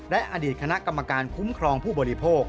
และอดีตคณะกรรมการคุ้มครองผู้บริโภค